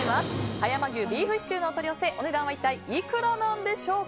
葉山牛ビーフシチューお取り寄せお値段は一体いくらでしょうか。